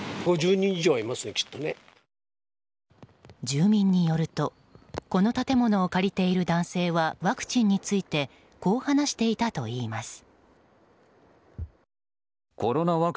住民によるとこの建物を借りている男性はワクチンについてこう話していたといいます。